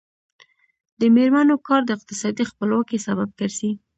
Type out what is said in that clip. د میرمنو کار د اقتصادي خپلواکۍ سبب ګرځي.